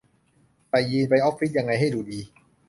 ใส่ยีนส์ไปออฟฟิศยังไงให้ดูดี